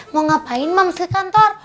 mau ngapain mau ke kantor